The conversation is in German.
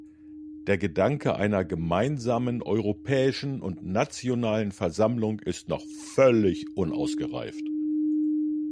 Der Gedanke einer gemeinsamen europäischen und nationalen Versammlung ist noch völlig unausgereift.